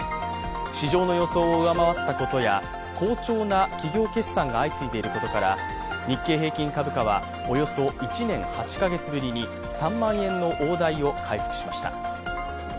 市場の予想を上回ったことや、好調な企業決算が相次いでいることから日経平均株価はおよそ１年８か月ぶりに３万円の大台を回復しました。